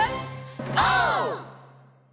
オー！